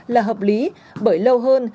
là hợp lý bởi lâu hơn